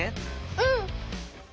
うん。